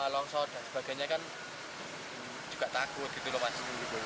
longsor dan sebagainya kan juga takut gitu loh pak